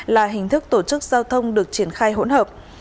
là hình thức tổ chức giao thông được triển khai hỗn hợp